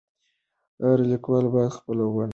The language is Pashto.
هر لیکوال باید خپله ونډه واخلي.